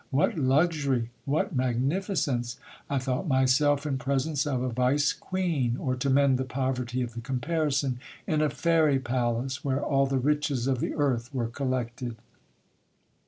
What luxury ! What magnificence ! I thought myself in presence of a vice queen, or, to mend the poverty of the comparison, in a fairy palace, where all the riches of the earth were collected.